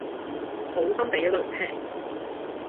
好心俾雷劈